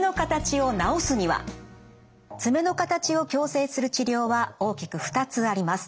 爪の形を矯正する治療は大きく２つあります。